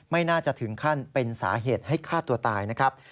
ไม่น่าจะถึงขั้นเป็นสาเหตุให้ฆ่าตัวตายนะครับ